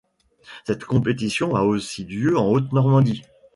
La compétition a aussi lieu en Haute-Normandie.